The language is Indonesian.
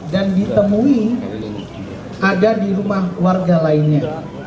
dan ditemui ada di rumah warga lainnya